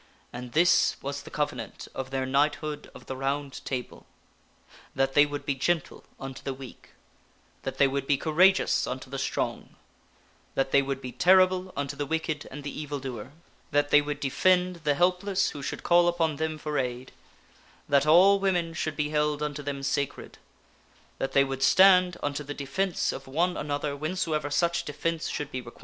And this was the cove 9 f^^fy^f nant of their Knighthood of the Round Table: That they' would be gentle unto the weak ; that they would be courageous unto the i 4 6 THE WINNING OF A QUEEN strong 1 ; that they would be terrible unto the wicked and the evil doer ; that they would defend the helpless who should call upon them for aid ; that all women should be held unto them sacred; that they would stand unto the defence of one another whensoever such defence should be re.